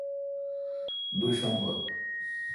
دو شنبہ